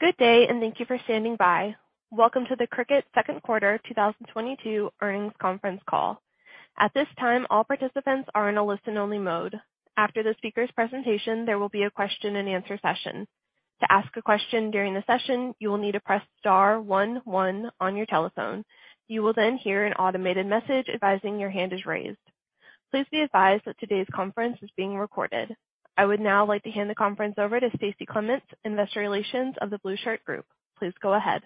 Good day, and thank you for standing by. Welcome to the Cricut Second Quarter 2022 Earnings Conference Call. At this time, all participants are in a listen-only mode. After the speaker's presentation, there will be a question-and-answer session. To ask a question during the session, you will need to press star one one on your telephone. You will then hear an automated message advising your hand is raised. Please be advised that today's conference is being recorded. I would now like to hand the conference over to Stacie Clements, Investor Relations of The Blueshirt Group. Please go ahead.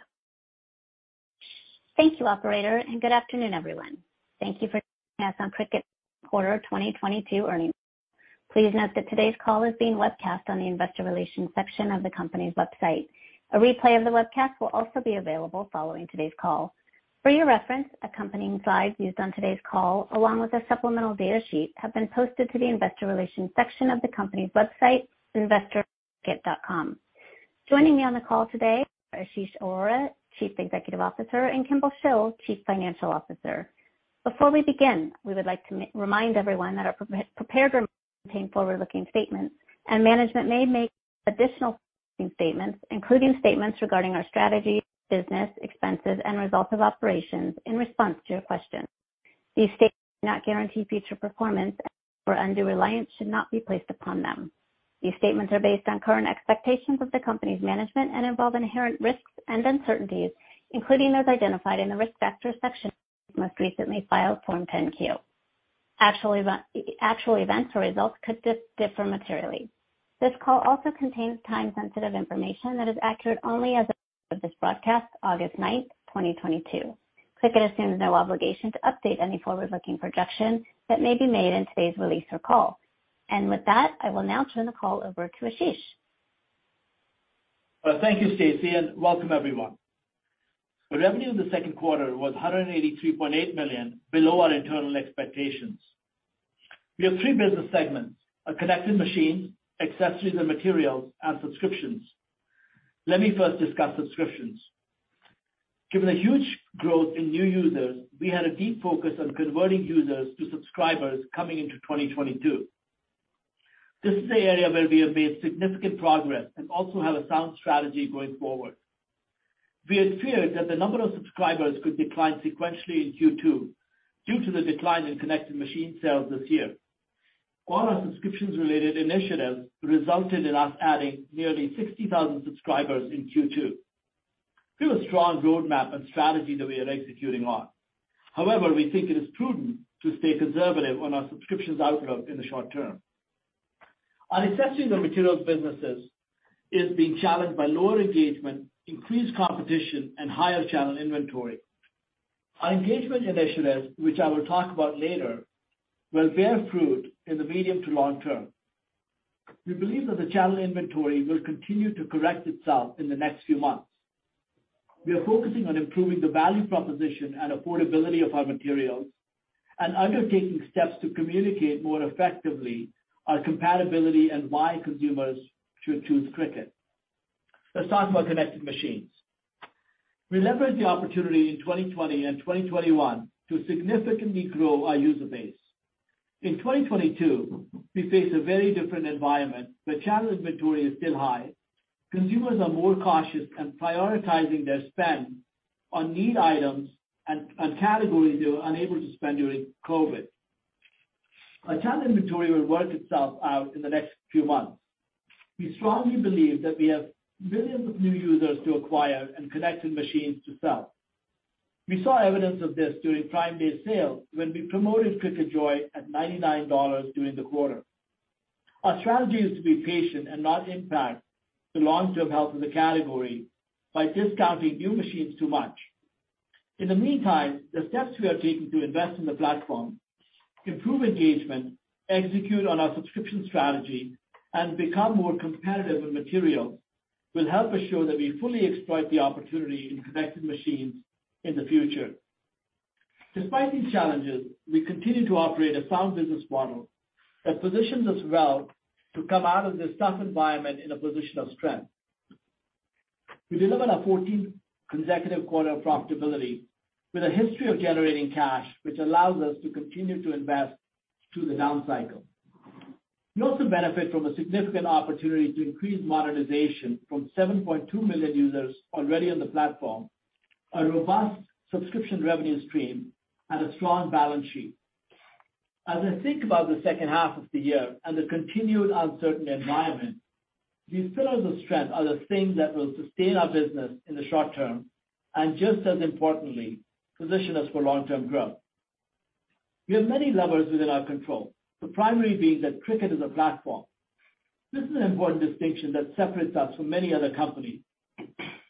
Thank you, operator, and good afternoon, everyone. Thank you for joining us on Cricut Q2 2022 Earnings. Please note that today's call is being webcast on the investor relations section of the company's website. A replay of the webcast will also be available following today's call. For your reference, accompanying slides used on today's call, along with a supplemental data sheet, have been posted to the investor relations section of the company's website, investor.cricut.com. Joining me on the call today are Ashish Arora, Chief Executive Officer, and Kimball Shill, Chief Financial Officer. Before we begin, we would like to remind everyone that our pre-prepared remarks contain forward-looking statements, and management may make additional statements, including statements regarding our strategies, business, expenses, and results of operations in response to your questions. These statements do not guarantee future performance, and undue reliance should not be placed upon them. These statements are based on current expectations of the company's management and involve inherent risks and uncertainties, including those identified in the Risk Factors section of the most recently filed Form 10-Q. Actual events or results could differ materially. This call also contains time-sensitive information that is accurate only as of this broadcast, August 9, 2022. Cricut assumes no obligation to update any forward-looking projection that may be made in today's release or call. With that, I will now turn the call over to Ashish. Well, thank you, Stacie and welcome everyone. The revenue in the second quarter was $183.8 million, below our internal expectations. We have three business segments, our connected machines, accessories and materials, and subscriptions. Let me first discuss subscriptions. Given the huge growth in new users, we had a deep focus on converting users to subscribers coming into 2022. This is an area where we have made significant progress and also have a sound strategy going forward. We had feared that the number of subscribers could decline sequentially in Q2 due to the decline in connected machine sales this year. All our subscriptions-related initiatives resulted in us adding nearly 60,000 subscribers in Q2. We have a strong roadmap and strategy that we are executing on. However, we think it is prudent to stay conservative on our subscriptions outlook in the short term. Our accessories and materials businesses is being challenged by lower engagement, increased competition, and higher channel inventory. Our engagement initiatives, which I will talk about later, will bear fruit in the medium to long term. We believe that the channel inventory will continue to correct itself in the next few months. We are focusing on improving the value proposition and affordability of our materials and undertaking steps to communicate more effectively our compatibility and why consumers should choose Cricut. Let's talk about connected machines. We leveraged the opportunity in 2020 and 2021 to significantly grow our user base. In 2022, we face a very different environment where channel inventory is still high. Consumers are more cautious and prioritizing their spend on need items and categories they were unable to spend during COVID. Our channel inventory will work itself out in the next few months. We strongly believe that we have millions of new users to acquire and connected machines to sell. We saw evidence of this during Prime Day sale when we promoted Cricut Joy at $99 during the quarter. Our strategy is to be patient and not impact the long-term health of the category by discounting new machines too much. In the meantime, the steps we are taking to invest in the platform, improve engagement, execute on our subscription strategy, and become more competitive in materials will help assure that we fully exploit the opportunity in connected machines in the future. Despite these challenges, we continue to operate a sound business model that positions us well to come out of this tough environment in a position of strength. We delivered our fourteenth consecutive quarter of profitability with a history of generating cash, which allows us to continue to invest through the down cycle. We also benefit from a significant opportunity to increase monetization from 7.2 million users already on the platform, a robust subscription revenue stream, and a strong balance sheet. As I think about the second half of the year and the continued uncertain environment, these pillars of strength are the things that will sustain our business in the short term, and just as importantly, position us for long-term growth. We have many levers within our control, the primary being that Cricut is a platform. This is an important distinction that separates us from many other companies.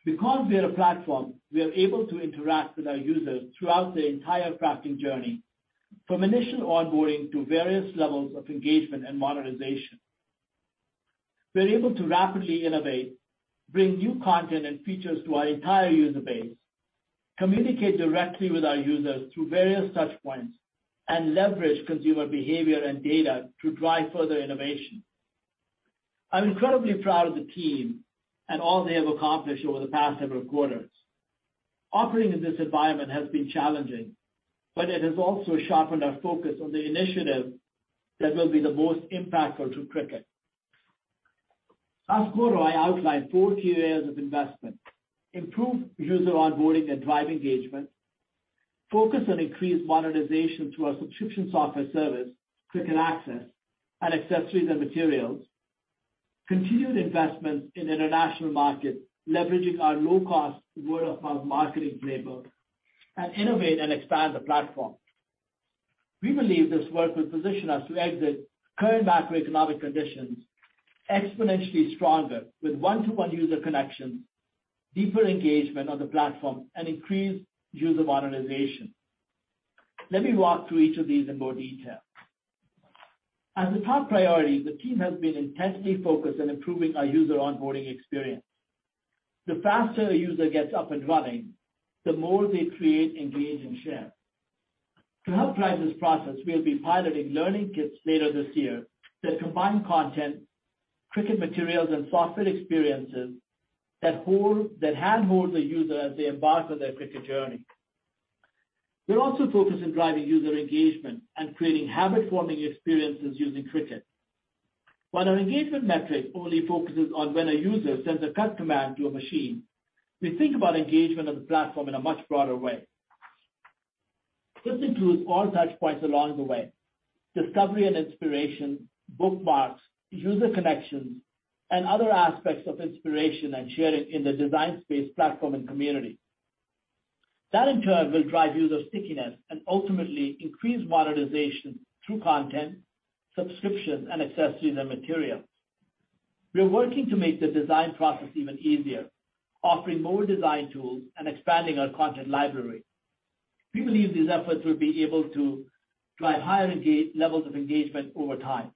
Because we are a platform, we are able to interact with our users throughout their entire crafting journey, from initial onboarding to various levels of engagement and monetization. We are able to rapidly innovate, bring new content and features to our entire user base, communicate directly with our users through various touch points, and leverage consumer behavior and data to drive further innovation. I'm incredibly proud of the team and all they have accomplished over the past several quarters. Operating in this environment has been challenging, but it has also sharpened our focus on the initiative that will be the most impactful to Cricut. Last quarter, I outlined four key areas of investment: improve user onboarding and drive engagement, focus on increased monetization through our subscription software service, Cricut Access, and accessories and materials, continued investments in international markets, leveraging our low cost word-of-mouth marketing labor, and innovate and expand the platform. We believe this work will position us to exit current macroeconomic conditions exponentially stronger with one-to-one user connections, deeper engagement on the platform, and increased user monetization. Let me walk through each of these in more detail. As a top priority, the team has been intensely focused on improving our user onboarding experience. The faster a user gets up and running, the more they create, engage, and share. To help drive this process, we'll be piloting learning kits later this year that combine content, Cricut materials, and software experiences that handhold the user as they embark on their Cricut journey. We're also focused on driving user engagement and creating habit-forming experiences using Cricut. While our engagement metric only focuses on when a user sends a cut command to a machine, we think about engagement of the platform in a much broader way. This includes all touch points along the way, discovery and inspiration, bookmarks, user connections, and other aspects of inspiration and sharing in the Design Space platform and community. That in turn will drive user stickiness and ultimately increase monetization through content, subscriptions, and accessories and materials. We are working to make the design process even easier, offering more design tools and expanding our content library. We believe these efforts will be able to drive higher levels of engagement over time.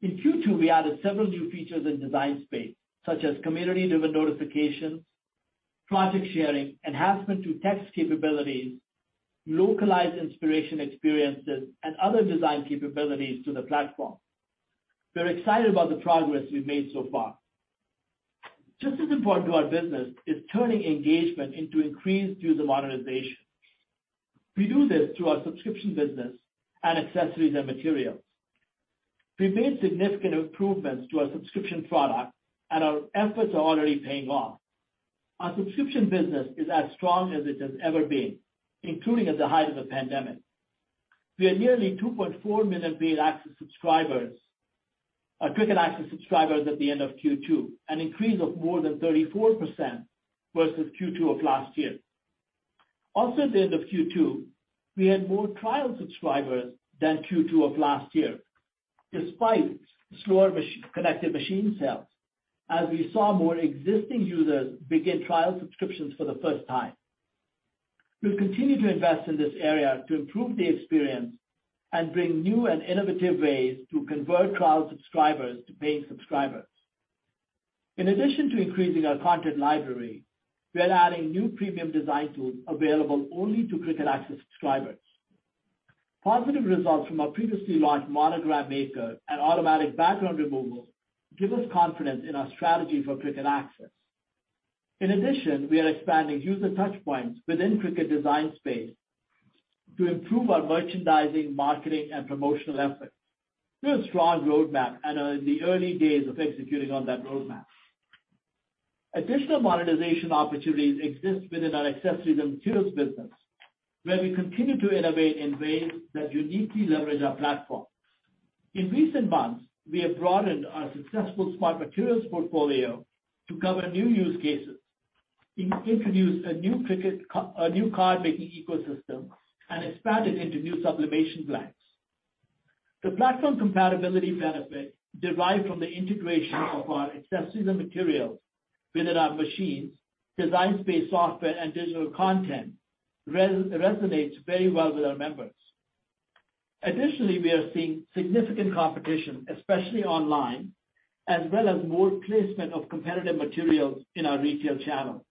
In Q2, we added several new features in Design Space, such as community-driven notifications, project sharing, enhancement to text capabilities, localized inspiration experiences, and other design capabilities to the platform. We're excited about the progress we've made so far. Just as important to our business is turning engagement into increased user monetization. We do this through our subscription business and accessories and materials. We've made significant improvements to our subscription product, and our efforts are already paying off. Our subscription business is as strong as it has ever been, including at the height of the pandemic. We had nearly 2.4 million paid Access subscribers, Cricut Access subscribers at the end of Q2, an increase of more than 34% versus Q2 of last year. Also at the end of Q2, we had more trial subscribers than Q2 of last year, despite slower connected machine sales, as we saw more existing users begin trial subscriptions for the first time. We'll continue to invest in this area to improve the experience and bring new and innovative ways to convert trial subscribers to paying subscribers. In addition to increasing our content library, we are adding new premium design tools available only to Cricut Access subscribers. Positive results from our previously launched Monogram Maker and Automatic Background Removal give us confidence in our strategy for Cricut Access. In addition, we are expanding user touch points within Cricut Design Space to improve our merchandising, marketing, and promotional efforts. We have a strong roadmap and are in the early days of executing on that roadmap. Additional monetization opportunities exist within our accessories and materials business, where we continue to innovate in ways that uniquely leverage our platform. In recent months, we have broadened our successful Smart Materials portfolio to cover new use cases. We introduced a new card-making ecosystem and expanded into new sublimation blanks. The platform compatibility benefit derived from the integration of our accessories and materials within our machines, Design Space software, and digital content resonates very well with our members. Additionally, we are seeing significant competition, especially online, as well as more placement of competitive materials in our retail channels.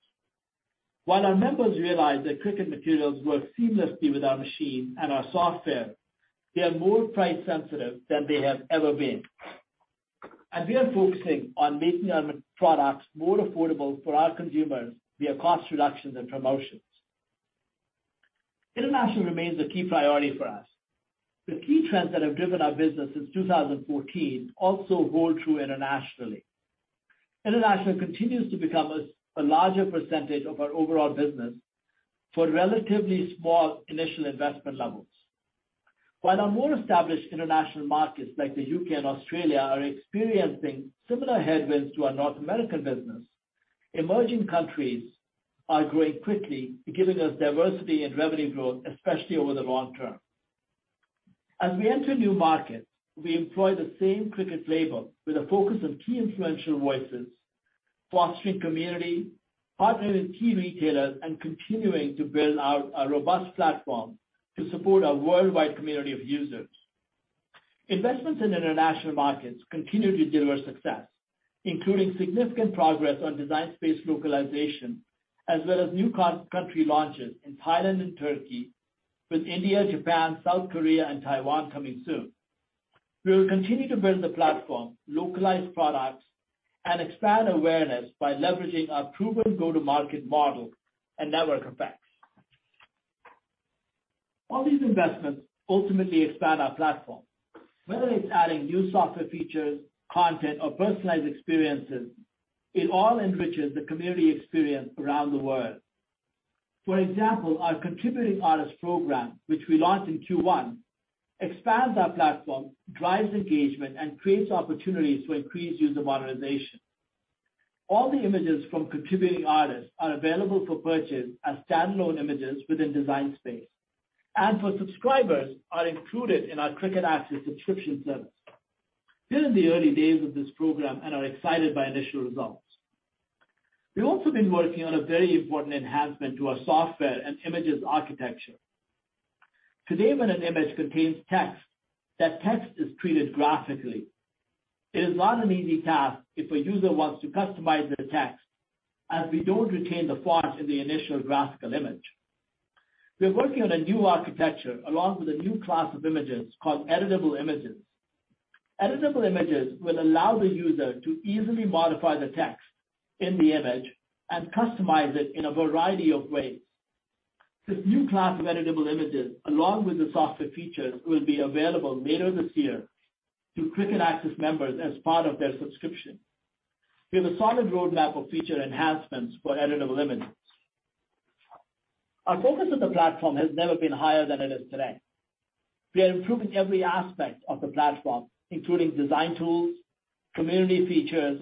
While our members realize that Cricut materials work seamlessly with our machine and our software, they are more price sensitive than they have ever been. We are focusing on making our products more affordable for our consumers via cost reductions and promotions. International remains a key priority for us. The key trends that have driven our business since 2014 also hold true internationally. International continues to become a larger percentage of our overall business for relatively small initial investment levels. While our more established international markets like the U.K. and Australia are experiencing similar headwinds to our North American business, emerging countries are growing quickly, giving us diversity and revenue growth, especially over the long term. As we enter new markets, we employ the same Cricut labor with a focus on key influential voices, fostering community, partnering with key retailers, and continuing to build out a robust platform to support our worldwide community of users. Investments in international markets continue to deliver success, including significant progress on Design Space localization as well as new country launches in Thailand and Turkey, with India, Japan, South Korea, and Taiwan coming soon. We will continue to build the platform, localize products, and expand awareness by leveraging our proven go-to-market model and network effects. All these investments ultimately expand our platform. Whether it's adding new software features, content, or personalized experiences, it all enriches the community experience around the world. For example, our Contributing Artist Program, which we launched in Q1, expands our platform, drives engagement, and creates opportunities to increase user monetization. All the images from contributing artists are available for purchase as standalone images within Design Space. For subscribers, are included in our Cricut Access subscription service. We're in the early days of this program and are excited by initial results. We've also been working on a very important enhancement to our software and images architecture. Today, when an image contains text, that text is treated graphically. It is not an easy task if a user wants to customize their text, as we don't retain the font in the initial graphical image. We're working on a new architecture along with a new class of images called Editable Images. Editable Images will allow the user to easily modify the text in the image and customize it in a variety of ways. This new class of Editable Images, along with the software features, will be available later this year to Cricut Access members as part of their subscription. We have a solid roadmap of feature enhancements for Editable Images. Our focus on the platform has never been higher than it is today. We are improving every aspect of the platform, including design tools, community features,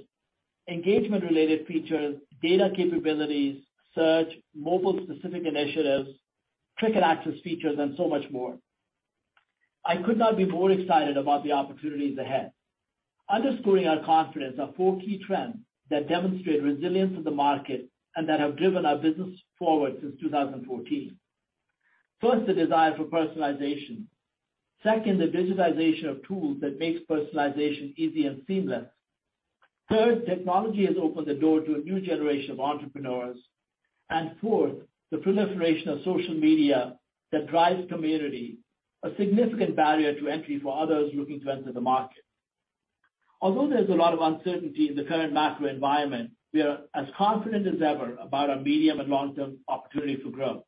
engagement-related features, data capabilities, search, mobile-specific initiatives, Cricut Access features, and so much more. I could not be more excited about the opportunities ahead. Underscoring our confidence are four key trends that demonstrate resilience of the market and that have driven our business forward since 2014. First, the desire for personalization. Second, the digitization of tools that makes personalization easy and seamless. Third, technology has opened the door to a new generation of entrepreneurs. Fourth, the proliferation of social media that drives community, a significant barrier to entry for others looking to enter the market. Although there's a lot of uncertainty in the current macro environment, we are as confident as ever about our medium and long-term opportunity for growth.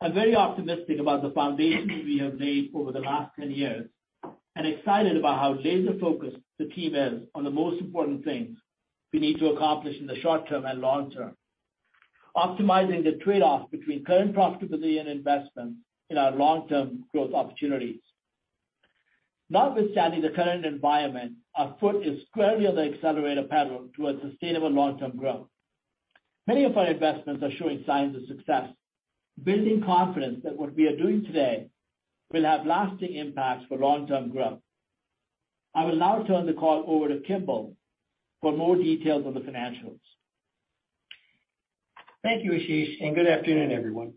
I'm very optimistic about the foundation we have laid over the last 10 years and excited about how laser-focused the team is on the most important things we need to accomplish in the short term and long term, optimizing the trade-off between current profitability and investment in our long-term growth opportunities. Notwithstanding the current environment, our foot is squarely on the accelerator pedal towards sustainable long-term growth. Many of our investments are showing signs of success, building confidence that what we are doing today will have lasting impacts for long-term growth. I will now turn the call over to Kimball for more details on the financials. Thank you, Ashish, and good afternoon, everyone.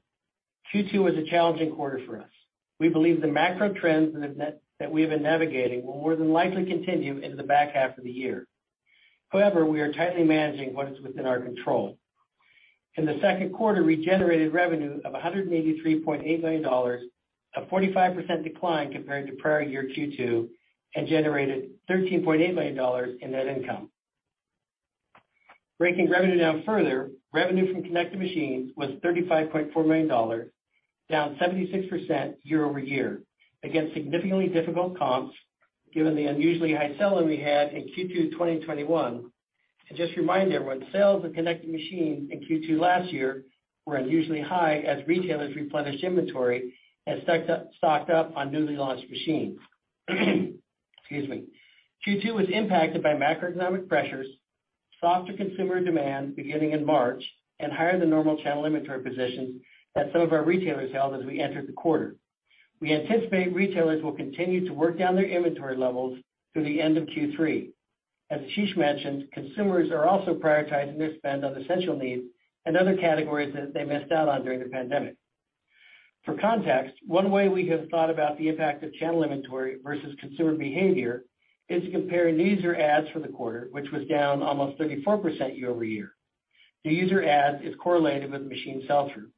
Q2 was a challenging quarter for us. We believe the macro trends that we have been navigating will more than likely continue into the back half of the year. However, we are tightly managing what is within our control. In the second quarter, we generated revenue of $183.8 million, a 45% decline compared to prior year Q2, and generated $13.8 million in net income. Breaking revenue down further, revenue from connected machines was $35.4 million, down 76% year-over-year. Again, significantly difficult comps, given the unusually high selling we had in Q2 2021. Just a reminder, when sales of connected machines in Q2 last year were unusually high as retailers replenished inventory and stocked up on newly launched machines. Excuse me. Q2 was impacted by macroeconomic pressures, softer consumer demand beginning in March, and higher-than-normal channel inventory positions that some of our retailers held as we entered the quarter. We anticipate retailers will continue to work down their inventory levels through the end of Q3. As Ashish mentioned, consumers are also prioritizing their spend on essential needs and other categories that they missed out on during the pandemic. For context, one way we have thought about the impact of channel inventory versus consumer behavior is comparing user adds for the quarter, which was down almost 34% year-over-year. The user adds is correlated with machine sell-through.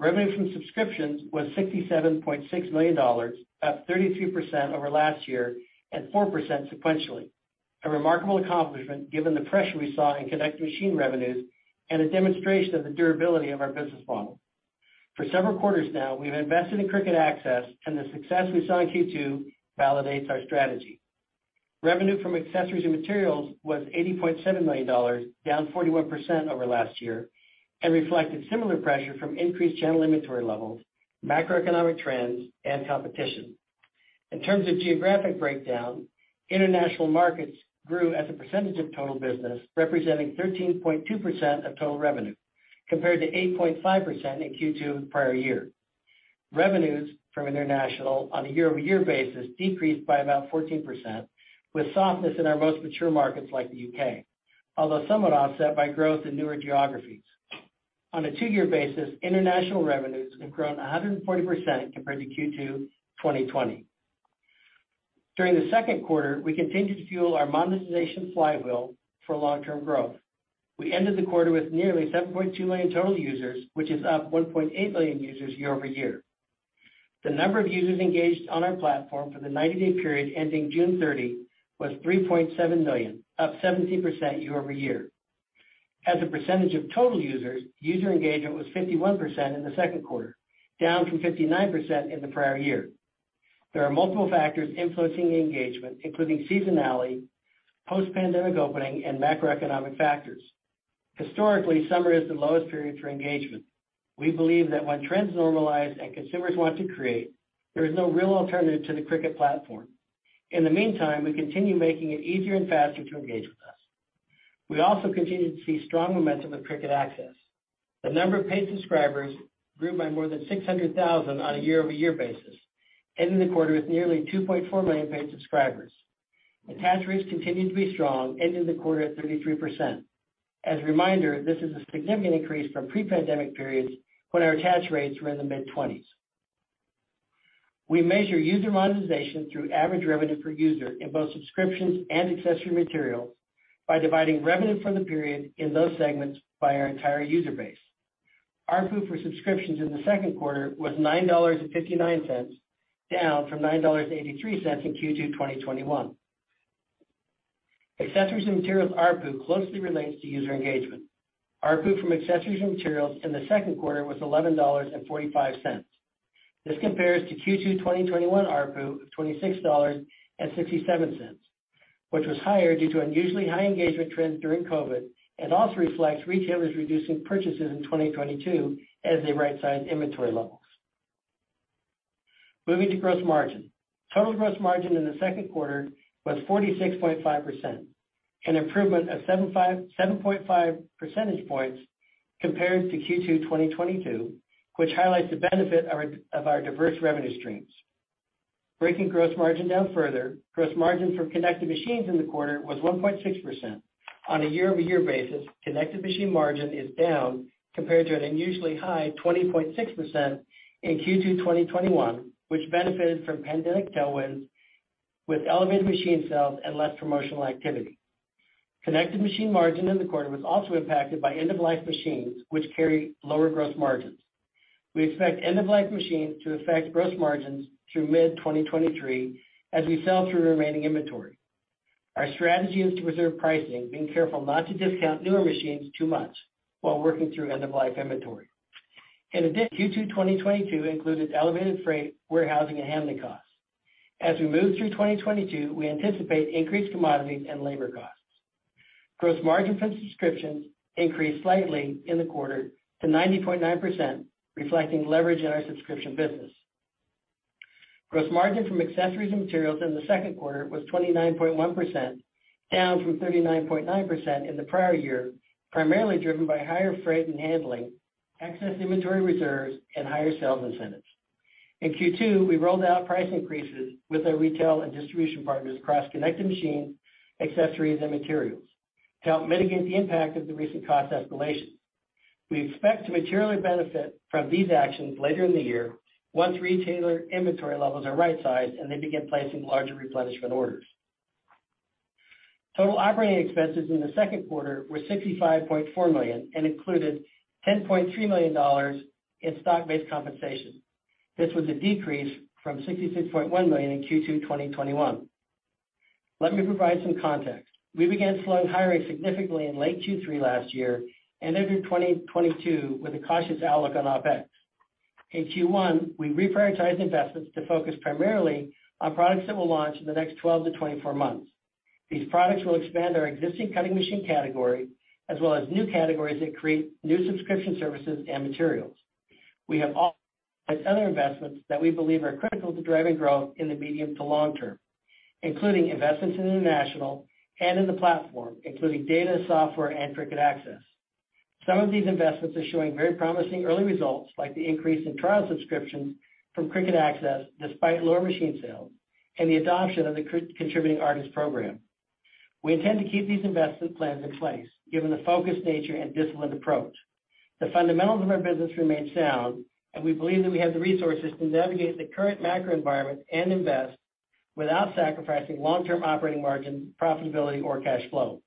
Revenue from subscriptions was $67.6 million, up 32% over last year and 4% sequentially. A remarkable accomplishment given the pressure we saw in connected machine revenues and a demonstration of the durability of our business model. For several quarters now, we have invested in Cricut Access, and the success we saw in Q2 validates our strategy. Revenue from accessories and materials was $80.7 million, down 41% year-over-year, and reflected similar pressure from increased channel inventory levels, macroeconomic trends, and competition. In terms of geographic breakdown, international markets grew as a percentage of total business, representing 13.2% of total revenue, compared to 8.5% in Q2 prior year. Revenues from international on a year-over-year basis decreased by about 14%, with softness in our most mature markets like the U.K., although somewhat offset by growth in newer geographies. On a two-year basis, international revenues have grown 140% compared to Q2 2020. During the second quarter, we continued to fuel our monetization flywheel for long-term growth. We ended the quarter with nearly 7.2 million total users, which is up 1.8 million users year-over-year. The number of users engaged on our platform for the 90-day period ending June 30 was 3.7 million, up 17% year-over-year. As a percentage of total users, user engagement was 51% in the second quarter, down from 59% in the prior year. There are multiple factors influencing the engagement, including seasonality, post-pandemic opening, and macroeconomic factors. Historically, summer is the lowest period for engagement. We believe that when trends normalize and consumers want to create, there is no real alternative to the Cricut platform. In the meantime, we continue making it easier and faster to engage with us. We also continue to see strong momentum with Cricut Access. The number of paid subscribers grew by more than 600,000 on a year-over-year basis, ending the quarter with nearly 2.4 million paid subscribers. Attach rates continued to be strong, ending the quarter at 33%. As a reminder, this is a significant increase from pre-pandemic periods when our attach rates were in the mid-20s. We measure user monetization through average revenue per user in both subscriptions and accessory materials by dividing revenue for the period in those segments by our entire user base. ARPU for subscriptions in the second quarter was $9.59, down from $9.83 in Q2 2021. Accessories and materials ARPU closely relates to user engagement. ARPU from accessories and materials in the second quarter was $11.45. This compares to Q2 2021 ARPU of $26.67, which was higher due to unusually high engagement trends during COVID and also reflects retailers reducing purchases in 2022 as they right-size inventory levels. Moving to gross margin. Total gross margin in the second quarter was 46.5%, an improvement of 7.5 percentage points compared to Q2 2022, which highlights the benefit of our diverse revenue streams. Breaking gross margin down further, gross margin from connected machines in the quarter was 1.6%. On a year-over-year basis, connected machine margin is down compared to an unusually high 20.6% in Q2 2021, which benefited from pandemic tailwinds with elevated machine sales and less promotional activity. Connected machine margin in the quarter was also impacted by end-of-life machines, which carry lower gross margins. We expect end-of-life machines to affect gross margins through mid-2023 as we sell through remaining inventory. Our strategy is to reserve pricing, being careful not to discount newer machines too much while working through end-of-life inventory. In addition, Q2 2022 included elevated freight, warehousing, and handling costs. As we move through 2022, we anticipate increased commodity and labor costs. Gross margin from subscriptions increased slightly in the quarter to 90.9%, reflecting leverage in our subscription business. Gross margin from accessories and materials in the second quarter was 29.1%, down from 39.9% in the prior year, primarily driven by higher freight and handling, excess inventory reserves, and higher sales incentives. In Q2, we rolled out price increases with our retail and distribution partners across connected machines, accessories, and materials to help mitigate the impact of the recent cost escalation. We expect to materially benefit from these actions later in the year once retailer inventory levels are right-sized and they begin placing larger replenishment orders. Total operating expenses in the second quarter were $65.4 million and included $10.3 million in stock-based compensation. This was a decrease from $66.1 million in Q2 2021. Let me provide some context. We began slowing hiring significantly in late Q3 last year, and entered 2022 with a cautious outlook on OpEx. In Q1, we reprioritized investments to focus primarily on products that will launch in the next 12 to 24 months. These products will expand our existing cutting machine category as well as new categories that create new subscription services and materials. We have also other investments that we believe are critical to driving growth in the medium to long term, including investments in international and in the platform, including data, software, and Cricut Access. Some of these investments are showing very promising early results, like the increase in trial subscriptions from Cricut Access despite lower machine sales and the adoption of the Contributing Artist Program. We intend to keep these investment plans in place given the focused nature and disciplined approach. The fundamentals of our business remain sound, and we believe that we have the resources to navigate the current macro environment and invest without sacrificing long-term operating margin, profitability, or cash flow.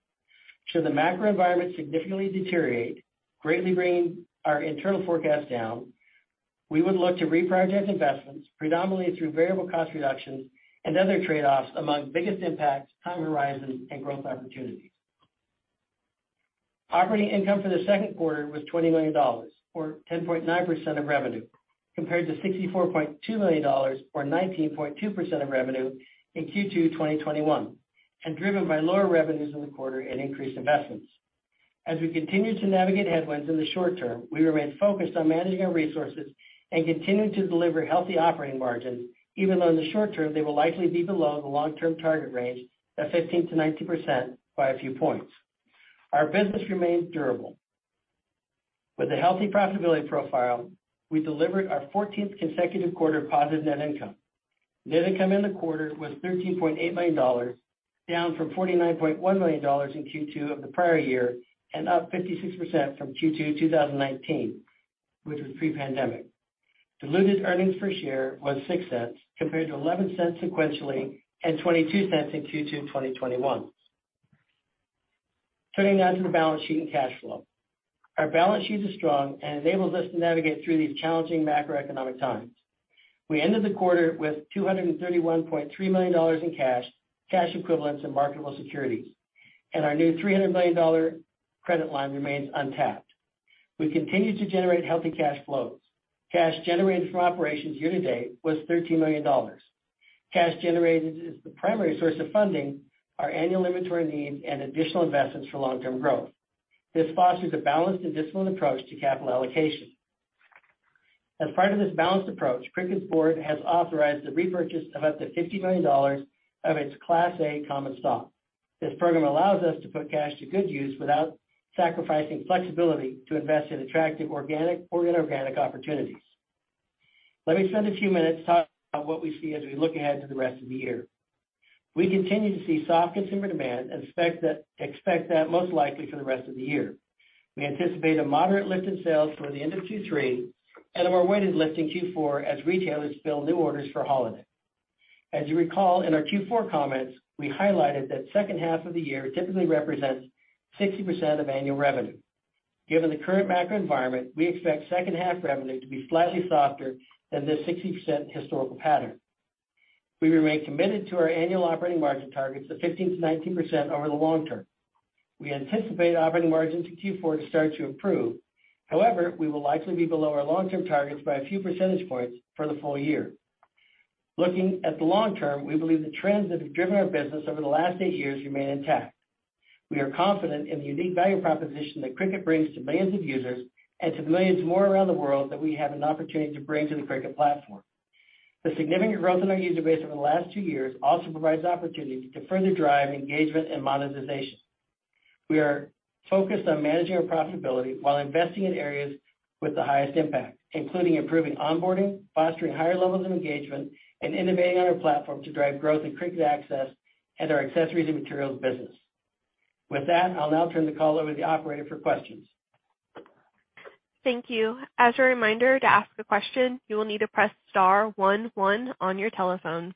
Should the macro environment significantly deteriorate, greatly bringing our internal forecast down, we would look to reprioritize investments predominantly through variable cost reductions and other trade-offs among biggest impacts, time horizon, and growth opportunities. Operating income for the second quarter was $20 million or 10.9% of revenue, compared to $64.2 million or 19.2% of revenue in Q2 2021, and driven by lower revenues in the quarter and increased investments. As we continue to navigate headwinds in the short term, we remain focused on managing our resources and continuing to deliver healthy operating margins, even though in the short term they will likely be below the long-term target range of 15%-19% by a few points. Our business remains durable. With a healthy profitability profile, we delivered our 14th consecutive quarter of positive net income. Net income in the quarter was $13.8 million, down from $49.1 million in Q2 of the prior year and up 56% from Q2 2019, which was pre-pandemic. Diluted earnings per share was $0.06 compared to $0.11 sequentially and $0.22 in Q2 2021. Turning now to the balance sheet and cash flow. Our balance sheet is strong and enables us to navigate through these challenging macroeconomic times. We ended the quarter with $231.3 million in cash equivalents, and marketable securities, and our new $300 million credit line remains untapped. We continue to generate healthy cash flows. Cash generated from operations year-to-date was $13 million. Cash generated is the primary source of funding our annual inventory needs and additional investments for long-term growth. This fosters a balanced and disciplined approach to capital allocation. As part of this balanced approach, Cricut's board has authorized the repurchase of up to $50 million of its Class A common stock. This program allows us to put cash to good use without sacrificing flexibility to invest in attractive organic or inorganic opportunities. Let me spend a few minutes talking about what we see as we look ahead to the rest of the year. We continue to see soft consumer demand and expect that most likely for the rest of the year. We anticipate a moderate lift in sales toward the end of Q3 and a more weighted lift in Q4 as retailers fill new orders for holiday. As you recall, in our Q4 comments, we highlighted that second half of the year typically represents 60% of annual revenue. Given the current macro environment, we expect second half revenue to be slightly softer than the 60% historical pattern. We remain committed to our annual operating margin targets of 15%-19% over the long term. We anticipate operating margins in Q4 to start to improve. However, we will likely be below our long-term targets by a few percentage points for the full year. Looking at the long term, we believe the trends that have driven our business over the last eight years remain intact. We are confident in the unique value proposition that Cricut brings to millions of users and to millions more around the world that we have an opportunity to bring to the Cricut platform. The significant growth in our user base over the last two years also provides opportunity to further drive engagement and monetization. We are focused on managing our profitability while investing in areas with the highest impact, including improving onboarding, fostering higher levels of engagement, and innovating on our platform to drive growth in Cricut Access and our accessories and materials business. With that, I'll now turn the call over to the operator for questions. Thank you. As a reminder, to ask a question, you will need to press star one one on your telephone.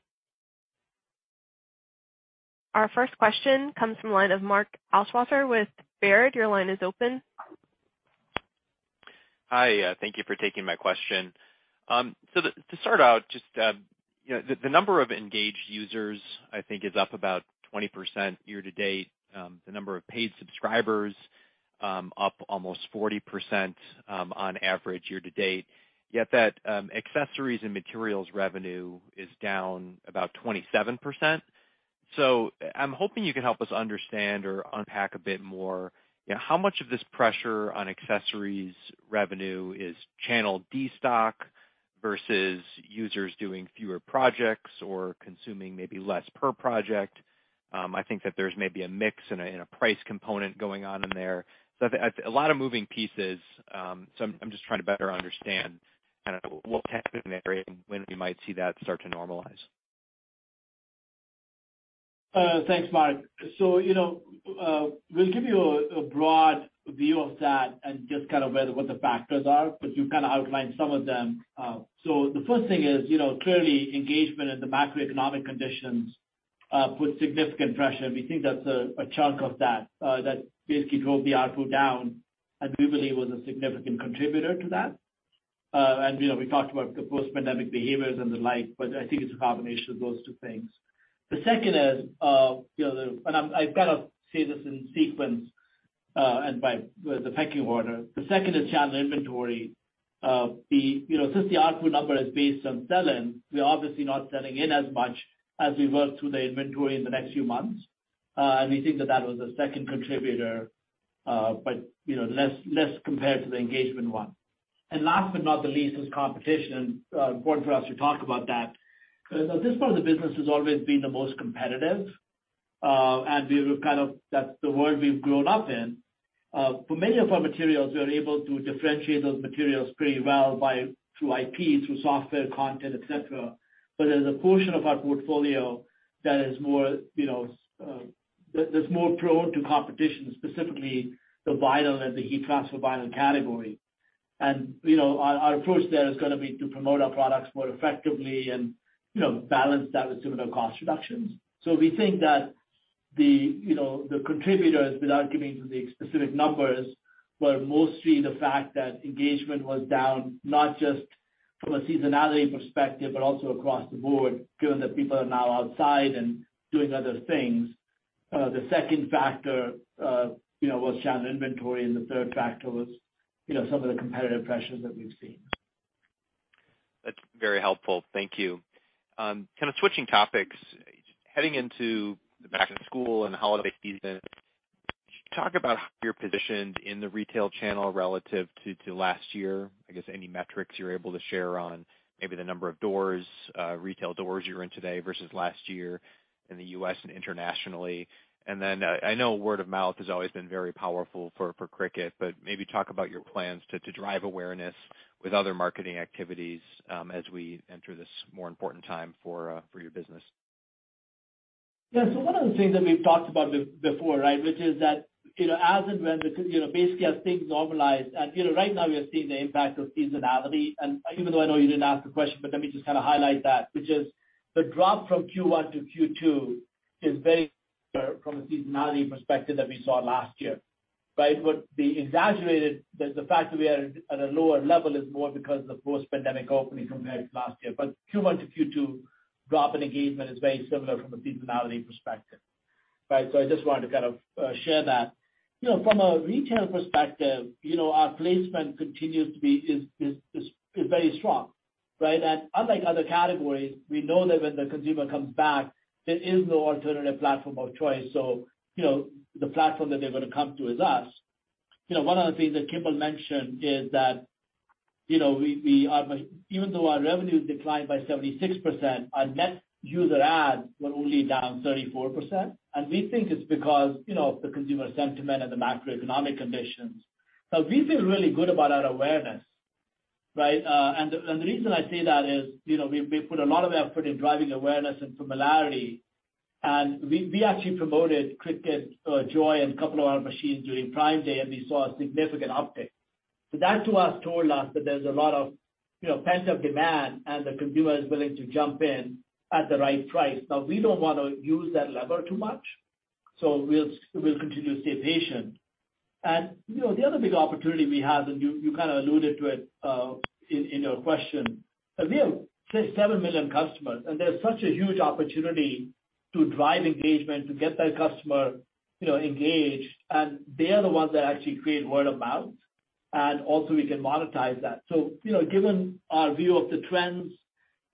Our first question comes from the line of Mark Altschwager with Baird. Your line is open. Hi, thank you for taking my question. To start out, just, you know, the number of engaged users I think is up about 20% year to date. The number of paid subscribers up almost 40%, on average year to date. Yet that, accessories and materials revenue is down about 27%. I'm hoping you can help us understand or unpack a bit more, you know, how much of this pressure on accessories revenue is channel destock versus users doing fewer projects or consuming maybe less per project. I think that there's maybe a mix and a price component going on in there. I think a lot of moving pieces, so I'm just trying to better understand kind of what's happening in that area and when we might see that start to normalize. Thanks, Mark. You know, we'll give you a broad view of that and just kind of what the factors are, but you kind of outlined some of them. The first thing is, you know, clearly engagement and the macroeconomic conditions put significant pressure, and we think that's a chunk of that that basically drove the output down, and we believe was a significant contributor to that. You know, we talked about the post-pandemic behaviors and the like, but I think it's a combination of those two things. The second is, you know, and I've got to say this in sequence, and by the pecking order. The second is channel inventory. You know, since the output number is based on sell-in, we're obviously not selling in as much as we work through the inventory in the next few months. We think that was a second contributor, but you know, less compared to the engagement one. Last but not the least is competition. Important for us to talk about that. This part of the business has always been the most competitive, and that's the world we've grown up in. For many of our materials, we are able to differentiate those materials pretty well through IP, through software, content, et cetera. But there's a portion of our portfolio that is more, you know, that's more prone to competition, specifically the vinyl and the heat transfer vinyl category. Our approach there is gonna be to promote our products more effectively and, you know, balance that with some of the cost reductions. We think that the, you know, the contributors, without getting into the specific numbers, were mostly the fact that engagement was down, not just from a seasonality perspective, but also across the board given that people are now outside and doing other things. The second factor, you know, was channel inventory, and the third factor was, you know, some of the competitive pressures that we've seen. That's very helpful. Thank you. Kind of switching topics, heading into the back to school and holiday season, could you talk about how you're positioned in the retail channel relative to last year? I guess any metrics you're able to share on maybe the number of doors, retail doors you're in today versus last year in the U.S. and internationally. I know word of mouth has always been very powerful for Cricut, but maybe talk about your plans to drive awareness with other marketing activities, as we enter this more important time for your business. Yeah. So one of the things that we've talked about before, right? Which is that, you know, as and when you know, basically as things normalize. You know, right now we are seeing the impact of seasonality. Even though I know you didn't ask the question, but let me just kind of highlight that, which is the drop from Q1 to Q2 is very similar from a seasonality perspective that we saw last year, right? Which exaggerates the fact that we are at a lower level is more because of the post-pandemic opening compared to last year. Q1 to Q2 drop in engagement is very similar from a seasonality perspective, right? So I just wanted to kind of share that. You know, from a retail perspective, you know, our placement continues to be is very strong, right? Unlike other categories, we know that when the consumer comes back, there is no alternative platform of choice. You know, the platform that they're gonna come to is us. You know, one of the things that Kimball mentioned is that, you know, we are even though our revenues declined by 76%, our net user adds were only down 34%. We think it's because, you know, the consumer sentiment and the macroeconomic conditions. Now we feel really good about our awareness, right? And the reason I say that is, you know, we put a lot of effort in driving awareness and familiarity. We actually promoted Cricut Joy and a couple of our machines during Prime Day, and we saw a significant uptick. That told us that there's a lot of, you know, pent-up demand and the consumer is willing to jump in at the right price. Now, we don't wanna use that lever too much, so we'll continue to stay patient. You know, the other big opportunity we have, and you kind of alluded to it in your question, but we have 6 million to 7 million customers, and there's such a huge opportunity to drive engagement to get that customer, you know, engaged. They are the ones that actually create word of mouth, and also we can monetize that. You know, given our view of the trends,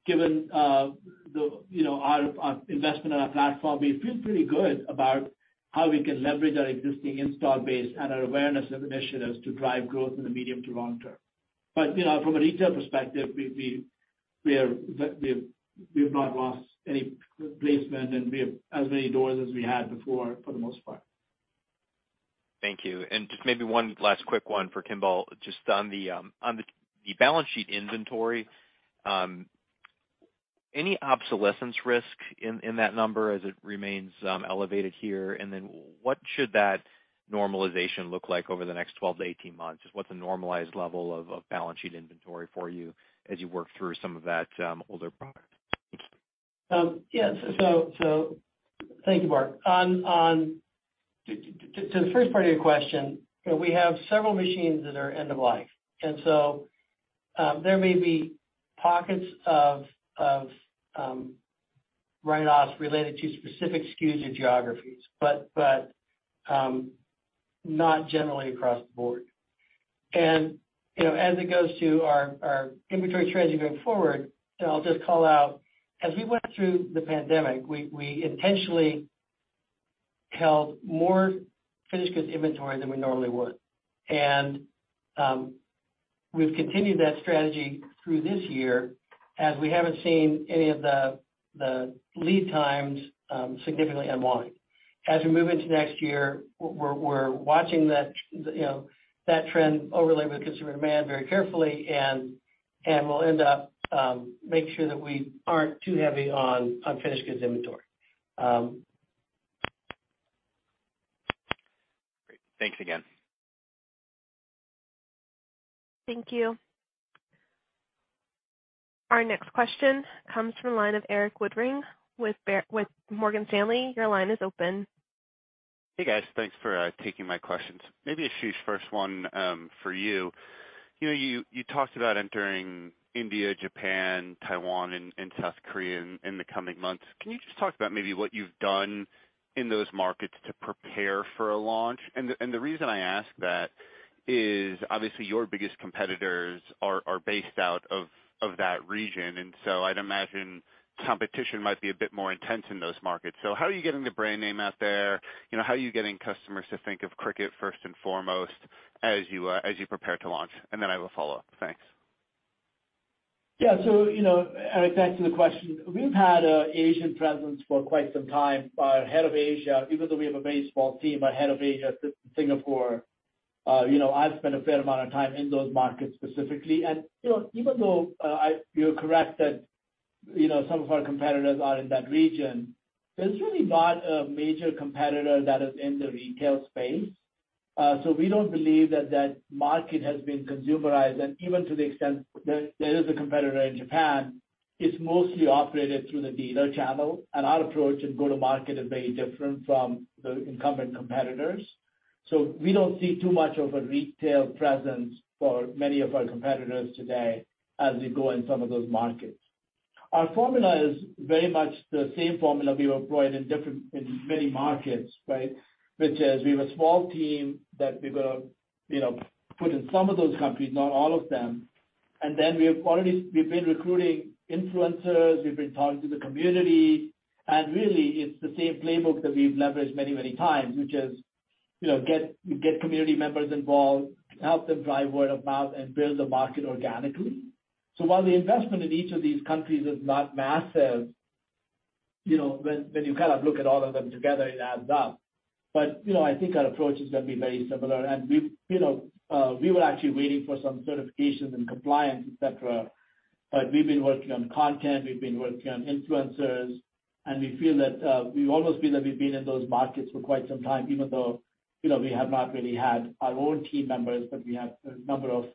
you know, our investment in our platform, we feel pretty good about how we can leverage our existing install base and our awareness of initiatives to drive growth in the medium to long term. You know, from a retail perspective, we've not lost any placement, and we have as many doors as we had before for the most part. Thank you. Just maybe one last quick one for Kimball, just on the balance sheet inventory. Any obsolescence risk in that number as it remains elevated here? What should that normalization look like over the next 12 to eight months? Just what's a normalized level of balance sheet inventory for you as you work through some of that older product? Yeah. Thank you, Mark. To the first part of your question, you know, we have several machines that are end of life, and so there may be pockets of write-offs related to specific SKUs and geographies, but not generally across the board. You know, as it goes to our inventory trends going forward, and I'll just call out, as we went through the pandemic, we intentionally held more finished goods inventory than we normally would. We've continued that strategy through this year as we haven't seen any of the lead times significantly unwind. As we move into next year, we're watching that, you know, that trend overlay with consumer demand very carefully and we'll end up making sure that we aren't too heavy on finished goods inventory. Um. Great. Thanks again. Thank you. Our next question comes from the line of Erik Woodring with Morgan Stanley. Your line is open. Hey, guys. Thanks for taking my questions. Maybe, Ashish, first one, for you. You know, you talked about entering India, Japan, Taiwan, and South Korea in the coming months. Can you just talk about maybe what you've done in those markets to prepare for a launch? The reason I ask that is obviously your biggest competitors are based out of that region, and so I'd imagine competition might be a bit more intense in those markets. How are you getting the brand name out there? You know, how are you getting customers to think of Cricut first and foremost as you prepare to launch? Then I have a follow-up. Thanks. Yeah. You know, Erik, thanks for the question. We've had an Asian presence for quite some time. Our head of Asia, even though we have a small team, our head of Asia is in Singapore. You know, I've spent a fair amount of time in those markets specifically. You know, even though you're correct that, you know, some of our competitors are in that region, there's really not a major competitor that is in the retail space. We don't believe that market has been consumerized. Even to the extent there is a competitor in Japan, it's mostly operated through the dealer channel. Our approach and go-to-market are very different from the incumbent competitors. We don't see too much of a retail presence for many of our competitors today as we go in some of those markets. Our formula is very much the same formula we've employed in many markets, right? Which is we have a small team that we're gonna, you know, put in some of those countries, not all of them. We've been recruiting influencers, we've been talking to the community. Really it's the same playbook that we've leveraged many, many times, which is, you know, get community members involved, help them drive word of mouth and build the market organically. While the investment in each of these countries is not massive, you know, when you kind of look at all of them together, it adds up. You know, I think our approach is gonna be very similar, and we've, you know, we were actually waiting for some certifications and compliance, et cetera. We've been working on content, we've been working on influencers, and we feel that we've almost been like in those markets for quite some time, even though, you know, we have not really had our own team members, but we have a number of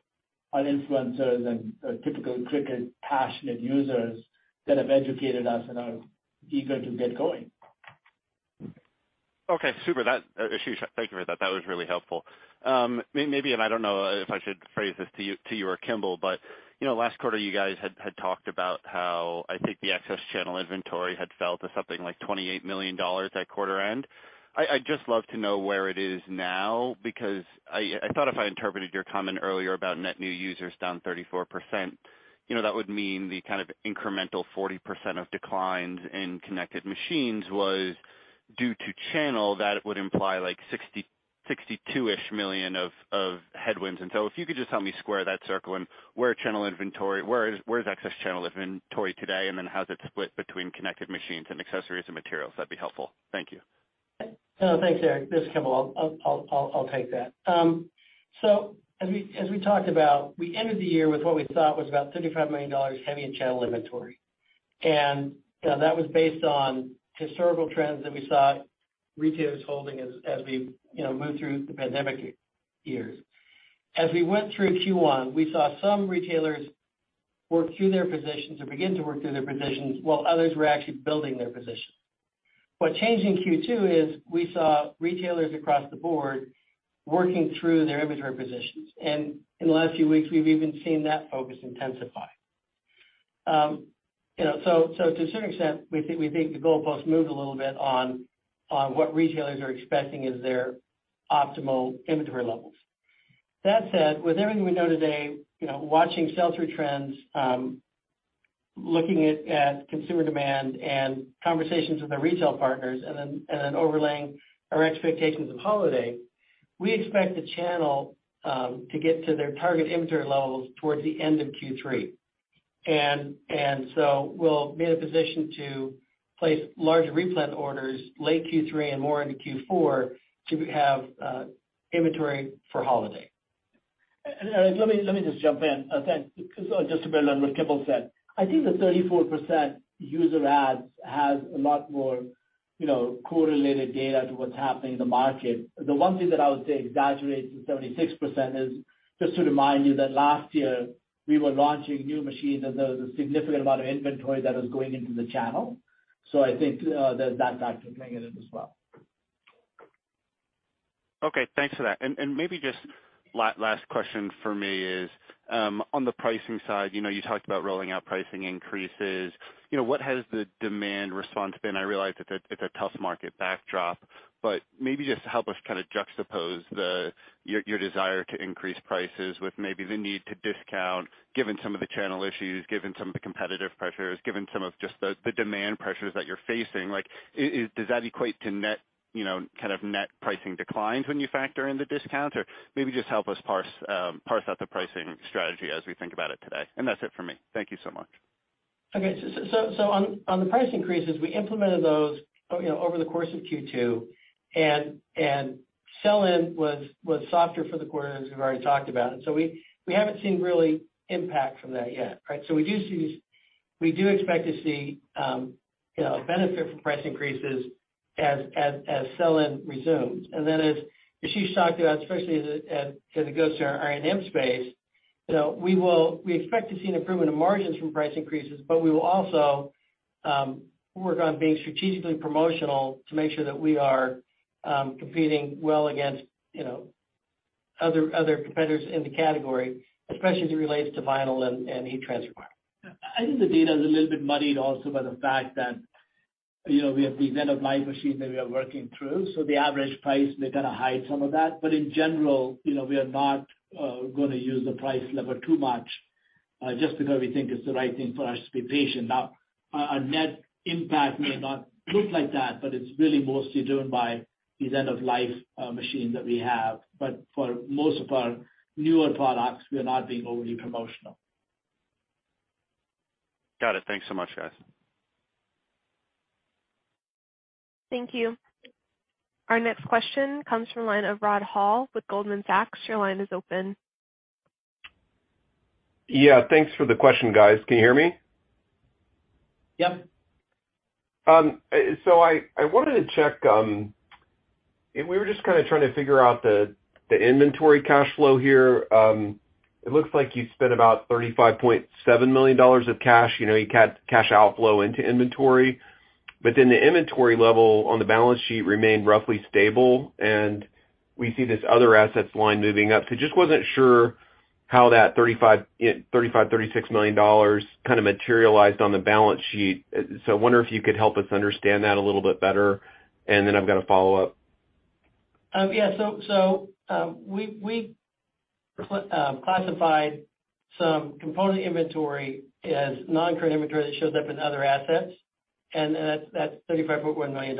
our influencers and typical Cricut passionate users that have educated us and are eager to get going. Okay, super. That Ashish, thank you for that. That was really helpful. Maybe and I don't know if I should phrase this to you or Kimball, but you know, last quarter you guys had talked about how I think the access channel inventory had fell to something like $28 million at quarter end. I'd just love to know where it is now because I thought if I interpreted your comment earlier about net new users down 34%, you know, that would mean the kind of incremental 40% of declines in connected machines was due to channel, that it would imply like 62-ish million of headwinds. If you could just help me square that circle, where is excess channel inventory today, and then how's it split between connected machines and accessories and materials? That'd be helpful. Thank you. No, thanks, Eric. This is Kimball. I'll take that. So as we talked about, we ended the year with what we thought was about $55 million heavy in channel inventory. You know, that was based on historical trends that we saw retailers holding as we moved through the pandemic years. As we went through Q1, we saw some retailers work through their positions or begin to work through their positions while others were actually building their positions. What changed in Q2 is we saw retailers across the board working through their inventory positions, and in the last few weeks, we've even seen that focus intensify. To a certain extent, we think the goalpost moved a little bit on what retailers are expecting as their optimal inventory levels. That said, with everything we know today, you know, watching sell-through trends, looking at consumer demand and conversations with our retail partners and then overlaying our expectations of holiday, we expect the channel to get to their target inventory levels towards the end of Q3. So we'll be in a position to place large replan orders late Q3 and more into Q4 to have inventory for holiday. Erik, let me just jump in. Again, just to build on what Kimball said. I think the 34% user adds has a lot more, you know, correlated data to what's happening in the market. The one thing that I would say exaggerates the 36% is just to remind you that last year we were launching new machines, and there was a significant amount of inventory that was going into the channel. I think there's that factor playing in it as well. Okay, thanks for that. Maybe just last question from me is on the pricing side. You know, you talked about rolling out pricing increases. You know, what has the demand response been? I realize it's a tough market backdrop, but maybe just help us kinda juxtapose your desire to increase prices with maybe the need to discount given some of the channel issues, given some of the competitive pressures, given some of just the demand pressures that you're facing. Like, does that equate to net, you know, kind of net pricing declines when you factor in the discount? Or maybe just help us parse out the pricing strategy as we think about it today. That's it for me. Thank you so much. Okay. On the price increases, we implemented those, you know, over the course of Q2, and sell-in was softer for the quarter as we've already talked about. We haven't seen really impact from that yet, right? We do expect to see, you know, benefit from price increases as sell-in resumes. As Ashish talked about, especially as it goes to our A&M space, you know, we expect to see an improvement in margins from price increases, but we will also work on being strategically promotional to make sure that we are competing well against, you know, other competitors in the category, especially as it relates to vinyl and heat transfer vinyl. I think the data is a little bit muddied also by the fact that, you know, we have the end of life machines that we are working through. The average price may kind of hide some of that. In general, you know, we are not gonna use the price lever too much, just because we think it's the right thing for us to be patient. Now, our net impact may not look like that, but it's really mostly driven by these end of life machines that we have. For most of our newer products, we are not being overly promotional. Got it. Thanks so much, guys. Thank you. Our next question comes from the line of Rod Hall with Goldman Sachs. Your line is open. Yeah, thanks for the question, guys. Can you hear me? Yep. I wanted to check. We were just kinda trying to figure out the inventory cash flow here. It looks like you spent about $35.7 million of cash. You know, your cash outflow into inventory, but then the inventory level on the balance sheet remained roughly stable, and we see this other assets line moving up. I just wasn't sure how that $35 million-$36 million kinda materialized on the balance sheet. I wonder if you could help us understand that a little bit better, and then I've got a follow-up. Yeah. We classified some component inventory as non-current inventory that shows up in other assets, and that's $35.1 million.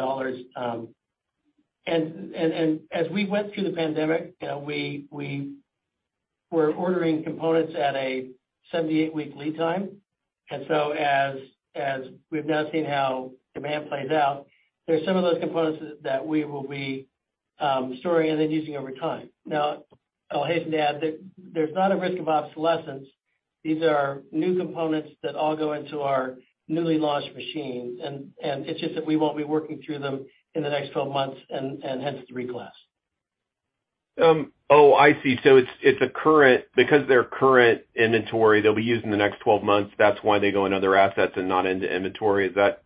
As we went through the pandemic, you know, we were ordering components at a 78-week lead time. As we've now seen how demand plays out, there are some of those components that we will be storing and then using over time. I'll hasten to add that there's not a risk of obsolescence. These are new components that all go into our newly launched machines, and it's just that we won't be working through them in the next 12 months and hence reclass. It's because their current inventory they'll be used in the next 12 months, that's why they go into other assets and not into inventory. Is that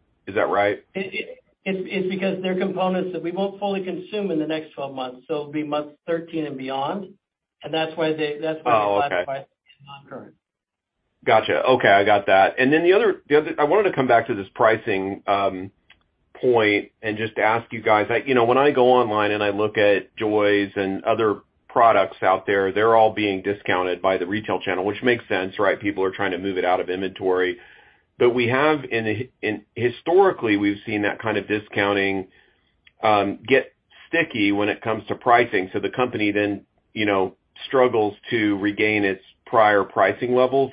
right? It's because they're components that we won't fully consume in the next 12 months, so it'll be month 13 and beyond, and that's why they. Oh, okay. That's why they classify as non-current. Gotcha. Okay. I got that. I wanted to come back to this pricing point and just ask you guys. Like, you know, when I go online and I look at Cricut Joys and other products out there, they're all being discounted by the retail channel, which makes sense, right? People are trying to move it out of inventory. We have historically seen that kind of discounting get sticky when it comes to pricing. The company then, you know, struggles to regain its prior pricing levels.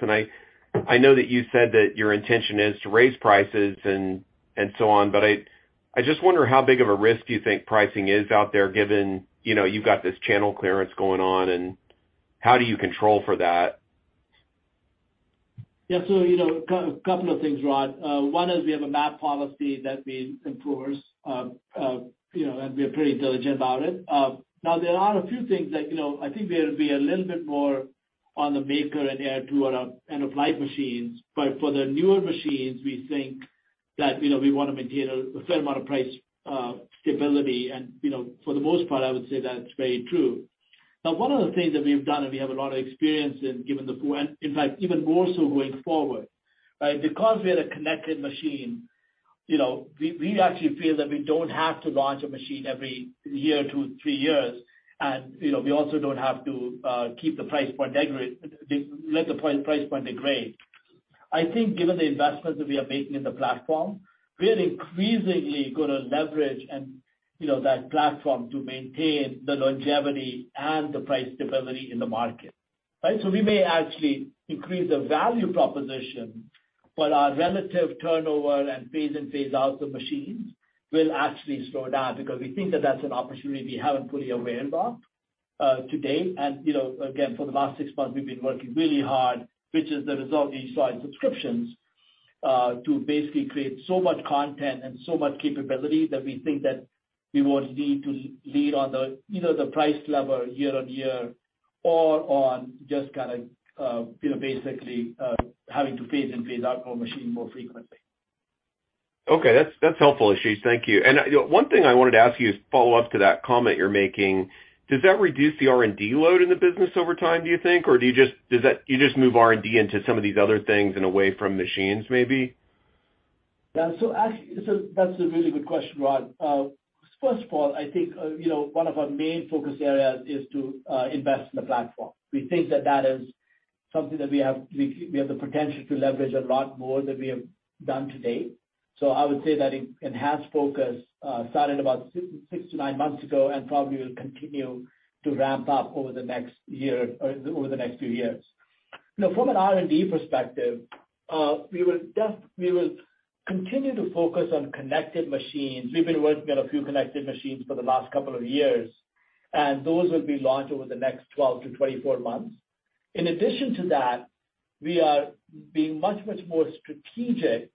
I know that you said that your intention is to raise prices and so on, but I just wonder how big of a risk do you think pricing is out there, given, you know, you've got this channel clearance going on, and how do you control for that? Yeah. A couple of things, Rod. One is we have a MAP policy that we enforce, you know, and we are pretty diligent about it. Now there are a few things that, you know, I think there'll be a little bit more on the Maker and Air 2 and Joy machines. But for the newer machines, we think that, you know, we wanna maintain a fair amount of price stability. You know, for the most part, I would say that's very true. Now, one of the things that we've done, and we have a lot of experience in, and in fact, even more so going forward, right? Because we had a connected machine, you know, we actually feel that we don't have to launch a machine every year to three years. You know, we also don't have to let the price point degrade. I think given the investments that we are making in the platform, we are increasingly gonna leverage and, you know, that platform to maintain the longevity and the price stability in the market, right? We may actually increase the value proposition while our relative turnover and phase in, phase out the machines will actually slow down because we think that that's an opportunity we haven't fully availed of today. You know, again, for the last six months we've been working really hard, which is the result you saw in subscriptions, to basically create so much content and so much capability that we think that we won't need to lean on the, you know, the price lever year on year or on just kind of, you know, basically, having to phase in, phase out more machine more frequently. Okay. That's helpful, Ashish. Thank you. You know, one thing I wanted to ask you is follow up to that comment you're making. Does that reduce the R&D load in the business over time, do you think, or do you just move R&D into some of these other things and away from machines maybe? Yeah. That's a really good question, Rod. First of all, I think, you know, one of our main focus areas is to invest in the platform. We think that that is something that we have the potential to leverage a lot more than we have done to date. I would say that enhanced focus started about six to nine months ago and probably will continue to ramp up over the next year or over the next few years. Now, from an R&D perspective, we will continue to focus on connected machines. We've been working on a few connected machines for the last couple of years, and those will be launched over the next 12 to 24 months. In addition to that, we are being much, much more strategic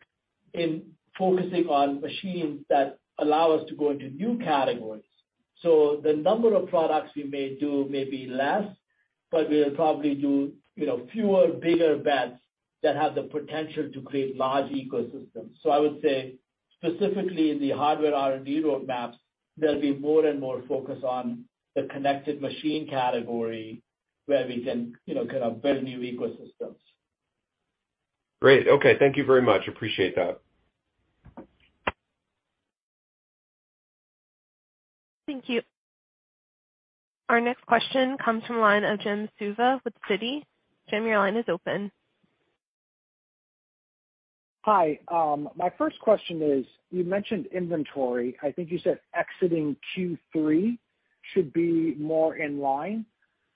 in focusing on machines that allow us to go into new categories. The number of products we may do may be less, but we'll probably do, you know, fewer, bigger bets that have the potential to create large ecosystems. I would say specifically in the hardware R&D roadmaps, there'll be more and more focus on the connected machine category where we can, you know, kind of build new ecosystems. Great. Okay. Thank you very much. Appreciate that. Thank you. Our next question comes from the line of Jim Suva with Citi. Jim, your line is open. Hi. My first question is, you mentioned inventory. I think you said exiting Q3 should be more in line.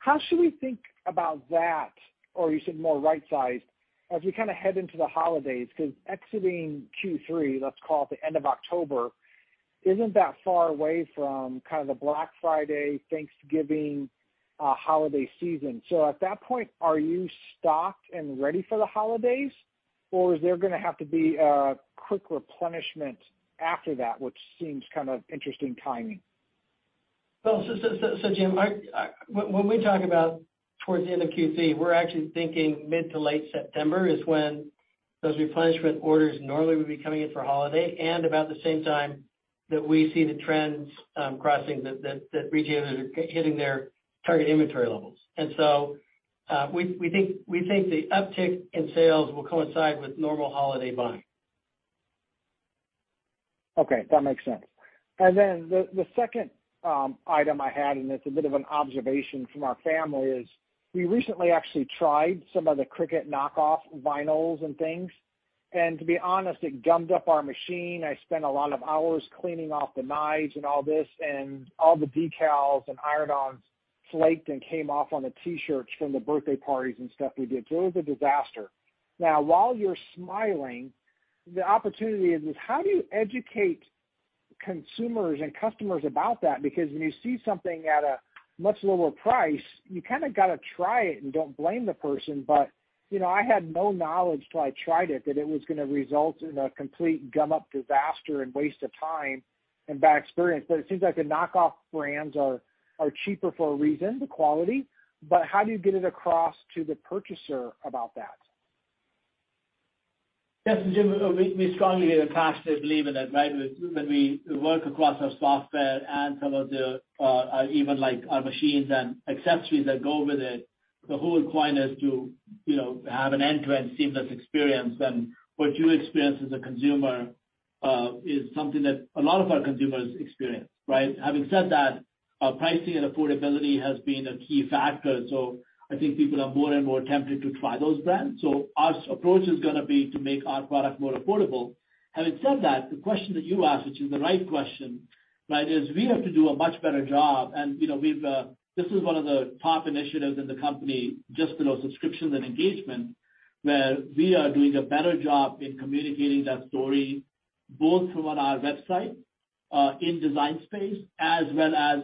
How should we think about that, or you said more right-sized, as we kinda head into the holidays? 'Cause exiting Q3, let's call it the end of October, isn't that far away from kind of the Black Friday, Thanksgiving, holiday season. So at that point, are you stocked and ready for the holidays, or is there gonna have to be a quick replenishment after that, which seems kind of interesting timing? Well, so Jim, when we talk about towards the end of Q3, we're actually thinking mid to late September is when those replenishment orders normally would be coming in for holiday and about the same time that we see the trends crossing that retailers are hitting their target inventory levels. We think the uptick in sales will coincide with normal holiday buying. Okay. That makes sense. Then the second item I had, and it's a bit of an observation from our family, is we recently actually tried some of the Cricut knockoff vinyls and things. To be honest, it gummed up our machine. I spent a lot of hours cleaning off the knives and all this, and all the decals and iron-ons flaked and came off on the T-shirts from the birthday parties and stuff we did. It was a disaster. Now, while you're smiling, the opportunity is how do you educate consumers and customers about that? Because when you see something at a much lower price, you kind of got to try it and don't blame the person. You know, I had no knowledge till I tried it that it was gonna result in a complete gum up disaster and waste of time and bad experience. It seems like the knockoff brands are cheaper for a reason, the quality. How do you get it across to the purchaser about that? Yes. Jim Suva, we strongly are passionately believe in it, right? When we work across our software and some of the even like our machines and accessories that go with it, the whole point is to, you know, have an end-to-end seamless experience. What you experience as a consumer is something that a lot of our consumers experience, right? Having said that, pricing and affordability has been a key factor. I think people are more and more tempted to try those brands. Our approach is gonna be to make our product more affordable. Having said that, the question that you asked, which is the right question, right, is we have to do a much better job. You know, this is one of the top initiatives in the company, just below subscriptions and engagement, where we are doing a better job in communicating that story, both on our website in Design Space, as well as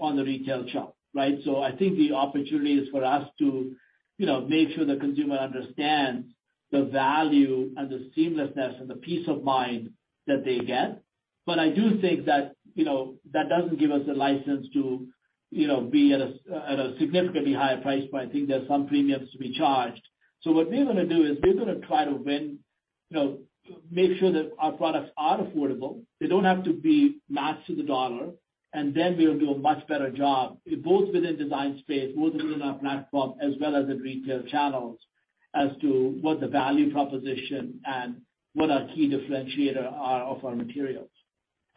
on the retail shop, right? I think the opportunity is for us to, you know, make sure the consumer understands the value and the seamlessness and the peace of mind that they get. I do think that, you know, that doesn't give us a license to, you know, be at a significantly higher price point. I think there's some premiums to be charged. What we're gonna do is we're gonna try to win, you know, make sure that our products are affordable. They don't have to be matched to the dollar, and then we'll do a much better job, both within Design Space, both within our platform as well as in retail channels as to what the value proposition and what our key differentiator are of our materials.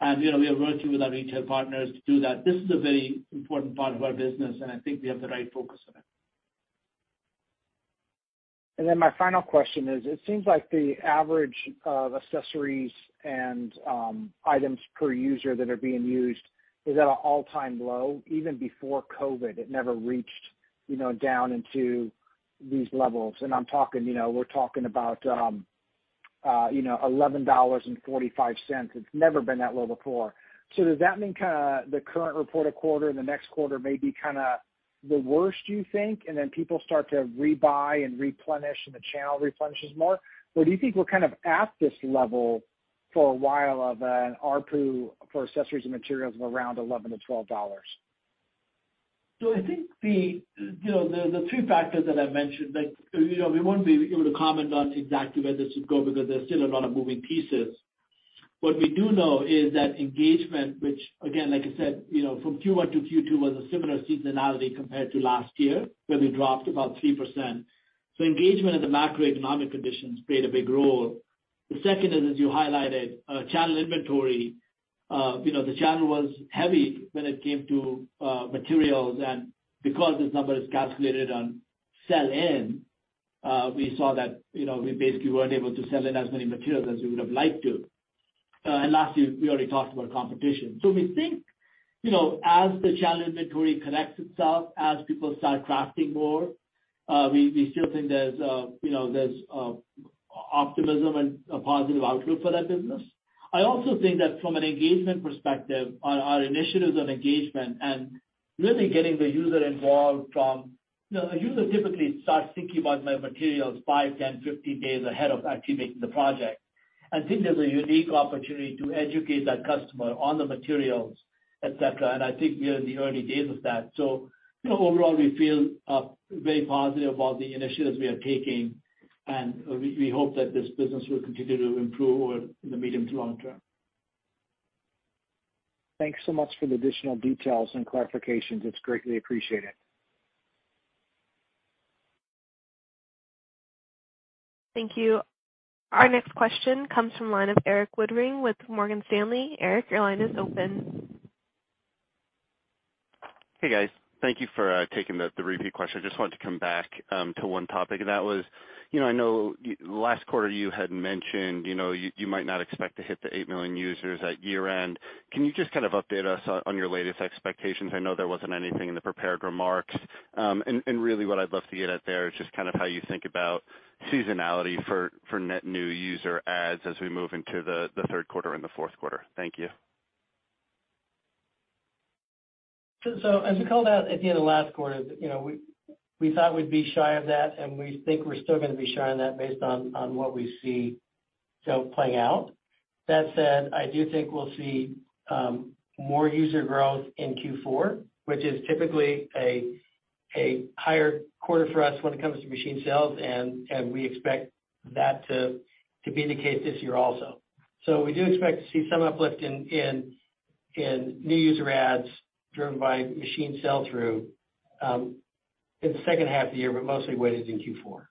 You know, we are working with our retail partners to do that. This is a very important part of our business, and I think we have the right focus on it. My final question is, it seems like the average of accessories and materials per user that are being used is at an all-time low. Even before COVID, it never reached, you know, down into these levels. I'm talking, you know, we're talking about $11.45. It's never been that low before. Does that mean kinda the current reported quarter and the next quarter may be kinda the worst, you think, and then people start to rebuy and replenish and the channel replenishes more? Or do you think we're kind of at this level for a while of an ARPU for accessories and materials of around $11-$12? I think the three factors that I mentioned, like, you know, we won't be able to comment on exactly where this would go because there's still a lot of moving pieces. What we do know is that engagement from Q1 to Q2 was a similar seasonality compared to last year, where we dropped about 3%. Engagement and the macroeconomic conditions played a big role. The second is, as you highlighted, channel inventory. You know, the channel was heavy when it came to materials. Because this number is calculated on sell-in, we saw that, you know, we basically weren't able to sell in as many materials as we would have liked to. And lastly, we already talked about competition. We think, you know, as the channel inventory corrects itself, as people start crafting more, we still think there's, you know, optimism and a positive outlook for that business. I also think that from an engagement perspective on our initiatives on engagement and really getting the user involved. You know, a user typically starts thinking about my materials five, 10, 15 days ahead of actually making the project. I think there's a unique opportunity to educate that customer on the materials, et cetera, and I think we are in the early days of that. Overall, we feel very positive about the initiatives we are taking, and we hope that this business will continue to improve over in the medium to long term. Thanks so much for the additional details and clarifications. It's greatly appreciated. Thank you. Our next question comes from the line of Erik Woodring with Morgan Stanley. Erik, your line is open. Hey, guys. Thank you for taking the repeat question. I just wanted to come back to one topic, and that was, you know, I know last quarter you had mentioned, you know, you might not expect to hit the 8 million users at year-end. Can you just kind of update us on your latest expectations? I know there wasn't anything in the prepared remarks. Really what I'd love to get at there is just kind of how you think about seasonality for net new user adds as we move into the third quarter and the fourth quarter. Thank you. As we called out at the end of last quarter, you know, we thought we'd be shy of that, and we think we're still gonna be shy on that based on what we see, you know, playing out. That said, I do think we'll see more user growth in Q4, which is typically a higher quarter for us when it comes to machine sales, and we expect that to be the case this year also. We do expect to see some uplift in new user adds driven by machine sell-through in the second half of the year, but mostly weighted in Q4.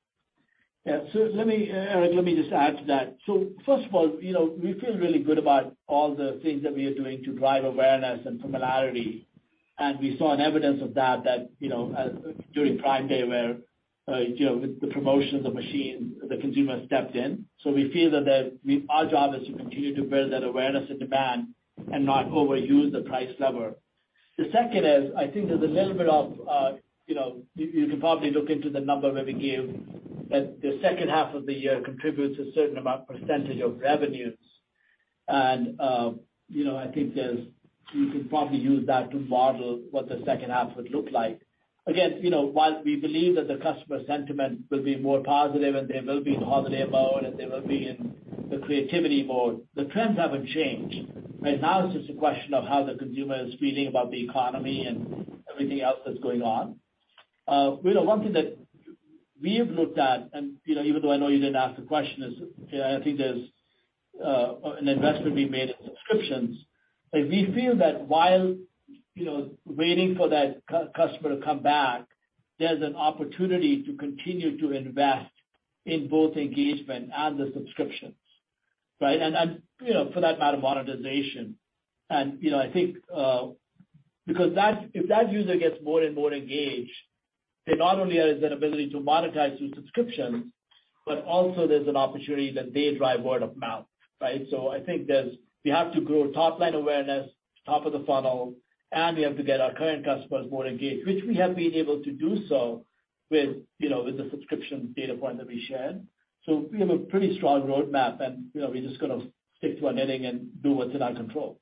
Yeah. Let me, Erik, let me just add to that. First of all, you know, we feel really good about all the things that we are doing to drive awareness and familiarity. We saw evidence of that, you know, during Prime Day where, you know, with the promotion of the machine, the consumer stepped in. We feel that our job is to continue to build that awareness and demand and not overuse the price lever. The second is, I think there's a little bit of, you know, you can probably look into the number that we gave, that the second half of the year contributes a certain amount percentage of revenues. You know, I think you can probably use that to model what the second half would look like. Again, you know, while we believe that the customer sentiment will be more positive, and they will be in holiday mode, and they will be in the creativity mode, the trends haven't changed. Right now, it's just a question of how the consumer is feeling about the economy and everything else that's going on. One thing that we've looked at, and, you know, even though I know you didn't ask the question, is, you know, I think there's an investment being made in subscriptions. Like, we feel that while, you know, waiting for that customer to come back, there's an opportunity to continue to invest in both engagement and the subscriptions, right? And, you know, for that matter, monetization. You know, I think, if that user gets more and more engaged, there not only is an ability to monetize through subscriptions, but also there's an opportunity that they drive word of mouth, right? I think we have to grow top line awareness, top of the funnel, and we have to get our current customers more engaged, which we have been able to do so with, you know, with the subscription data point that we shared. We have a pretty strong roadmap and, you know, we're just gonna stick to our knitting and do what's in our control.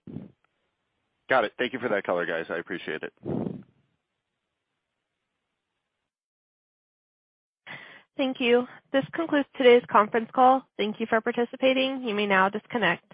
Got it. Thank you for that color, guys. I appreciate it. Thank you. This concludes today's conference call. Thank you for participating. You may now disconnect.